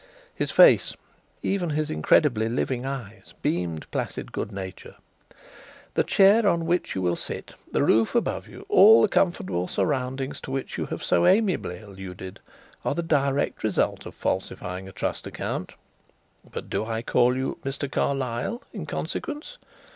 His face, even his incredibly living eyes, beamed placid good nature. "The chair on which you will sit, the roof above you, all the comfortable surroundings to which you have so amiably alluded, are the direct result of falsifying a trust account. But do I call you 'Mr. Carlyle' in consequence?